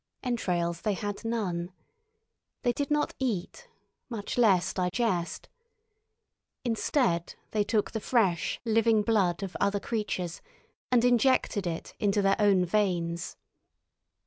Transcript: Entrails they had none. They did not eat, much less digest. Instead, they took the fresh, living blood of other creatures, and injected it into their own veins.